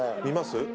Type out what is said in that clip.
見ます？